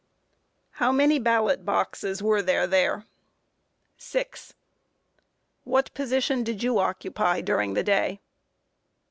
Q. How many ballot boxes were there there? A. Six. Q. What position did you occupy during the day?